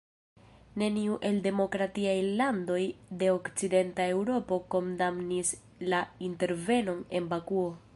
Neniu el demokratiaj landoj de Okcidenta Eŭropo kondamnis la intervenon en Bakuo.